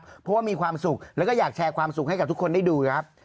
เพราะว่ามีความสุขแล้วก็อยากแชร์ความสุขให้กับทุกคนได้ดูครับ